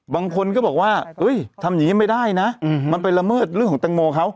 บางคนก็บอกว่าทำอย่างนี้ไม่ได้นะมันไปละเมิดเรื่องของแตงโมเขา